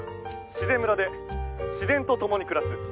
自然村で自然と共に暮らす。